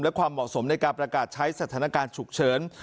และความเหมาะสมในการประกาศใช้สถานการณ์ฉุกเฉิน